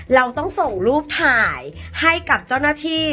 เราต้องส่งรูปถ่ายให้กับเจ้าหน้าที่